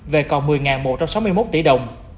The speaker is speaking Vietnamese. về còn một mươi một trăm sáu mươi một tỷ đồng